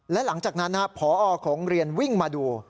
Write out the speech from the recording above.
และหลังจากนั้นพอของโรงเรียนวิ่งมาดู